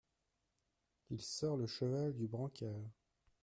Il sort le cheval du brancard.